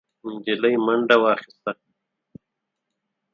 نجلۍ منډه واخيسته،